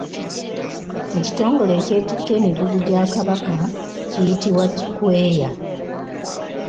Ekitongole ekyetikka emigugu gya Kabaka kiyitibwa kikweya.